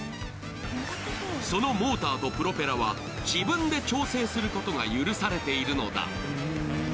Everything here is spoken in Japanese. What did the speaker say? そのモーターとプロペラは自分で調整することが許されているのだ。